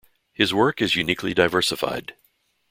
His work is uniquely diversified.